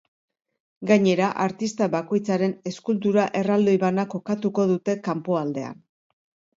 Gainera, artista bakoitzaren eskultura erraldoi bana kokatuko dute kanpoaldean.